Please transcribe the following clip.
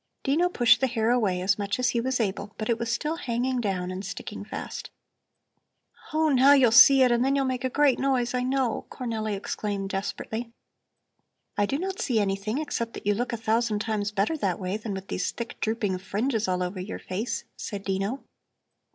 Dino pushed the hair away as much as he was able; but it was still hanging down and sticking fast. "Oh, now you'll see it, and then you'll make a great noise, I know," Cornelli exclaimed desperately. "I do not see anything except that you look a thousand times better that way than with these thick, drooping fringes all over your face," said Dino.